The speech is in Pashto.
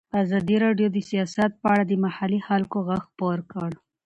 ازادي راډیو د سیاست په اړه د محلي خلکو غږ خپور کړی.